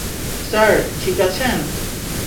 Sir, ঠিক আছেন?